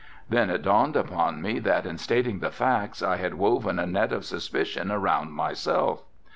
Then it dawned upon me that in stating the facts I had woven a net of suspicion around myself.